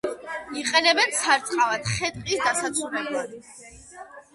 იყენებენ სარწყავად, ხე-ტყის დასაცურებლად.